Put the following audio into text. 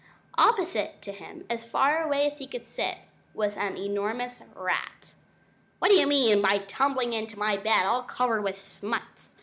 Opposite to him as far away as he could sit was an enormous rat. "What do you mean by tumbling into my bed all covered with smuts?"